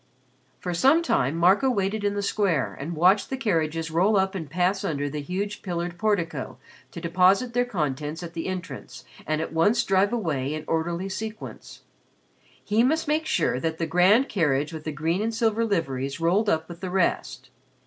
For some time Marco waited in the square and watched the carriages roll up and pass under the huge pillared portico to deposit their contents at the entrance and at once drive away in orderly sequence. He must make sure that the grand carriage with the green and silver liveries rolled up with the rest.